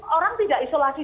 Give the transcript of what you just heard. orang tidak isolasi